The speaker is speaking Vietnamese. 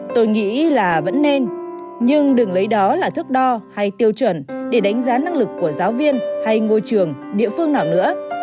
tôi nghĩ là vẫn nên nhưng đừng lấy đó là thức đo hay tiêu chuẩn để đánh giá năng lực của giáo viên hay ngôi trường địa phương nào nữa